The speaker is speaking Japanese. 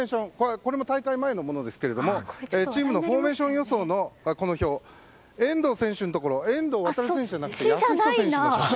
これも大会前のものですがチームフォーメーション予想の表遠藤選手のところ遠藤航選手ではなくて遠藤保仁選手の写真。